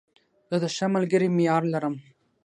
زه د ښه ملګري معیار لرم.